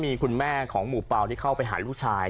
มีคุณแม่ของหมู่เป่าที่เข้าไปหาลูกชาย